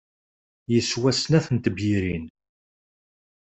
Yeswa snat n tebyirin.